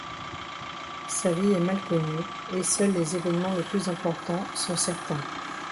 Sa vie est mal connue et seuls les évènements les plus importants sont certains.